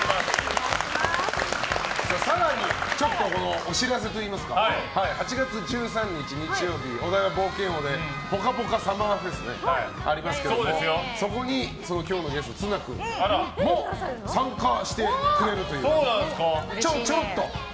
更にお知らせといいますか８月１３日、日曜日お台場冒険王でぽかぽかＳＵＭＭＥＲＦＥＳがありますけどそこに今日のゲストの綱君も参加してくれるという。